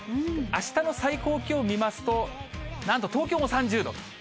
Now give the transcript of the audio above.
あしたの最高気温を見ますと、なんと東京も３０度。